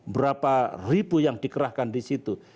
berapa ribu yang dikerahkan di situ